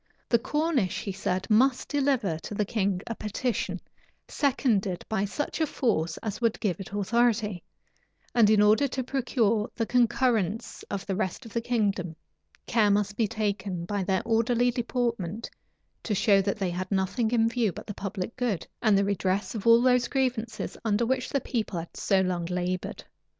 The Cornish, he said, must deliver to the king a petition, seconded by such a force as would give it authority; and in order to procure the concurrence of the rest of the kingdom, care must be taken, by their orderly deportment, to show that they had nothing in view but the public good, and the redress of all those grievances under which the people had so long labored.